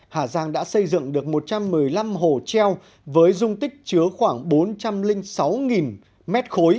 hà giang đã xây dựng được một trăm một mươi năm hồ treo với dung tích chứa khoảng bốn trăm linh sáu m ba